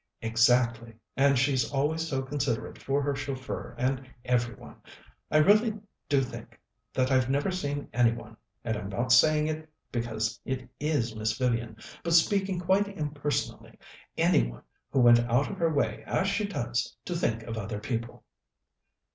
"Exactly; and she's always so considerate for her chauffeur, and every one. I really do think that I've never seen any one and I'm not saying it because it is Miss Vivian, but speaking quite impersonally any one who went out of her way, as she does, to think of other people."